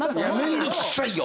めんどくさいよ！